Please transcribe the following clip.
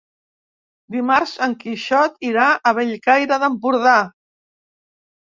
Dimarts en Quixot irà a Bellcaire d'Empordà.